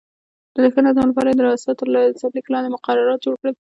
د ښه نظم لپاره یې د یاسا تر سرلیک لاندې مقررات جوړ کړل.